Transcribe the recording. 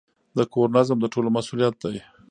د کور نظم د ټولو مسئولیت دی.